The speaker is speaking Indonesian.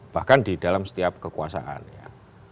bahkan di dalam setiap kekuasaan ya